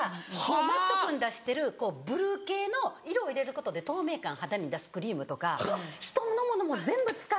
Ｍａｔｔ君出してるブルー系の色を入れることで透明感肌に出すクリームとか人のものも全部使って。